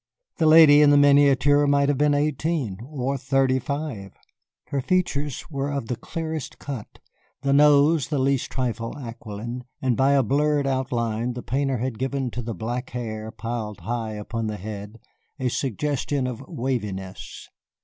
The lady in the miniature might have been eighteen, or thirty five. Her features were of the clearest cut, the nose the least trifle aquiline, and by a blurred outline the painter had given to the black hair piled high upon the head a suggestion of waviness.